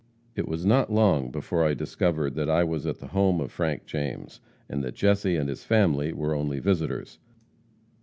"It was not long before I discovered that I was at the home of Frank James, and that Jesse and his family were only visitors.